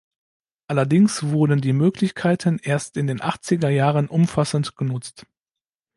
Allerdings wurden die Möglichkeiten erst in den Achtziger Jahren umfassender genutzt.